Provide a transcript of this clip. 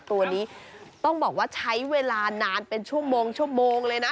ตัวนี้ต้องบอกว่าใช้เวลานานเป็นชั่วโมงชั่วโมงเลยนะ